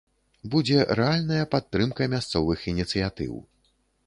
Будзе рэальная падтрымка мясцовых ініцыятыў.